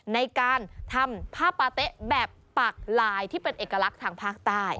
ในการทำผ้าปาเต๊ะแบบปากลายที่เป็นเอกลักษณ์ทางภาคใต้